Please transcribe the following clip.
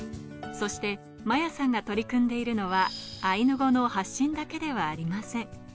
そして摩耶さんが取り組んでいるのはアイヌ語の発信だけではありません。